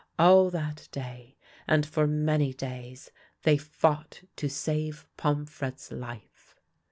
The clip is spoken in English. All that day, and for many days, they fought to save Pom frette's life.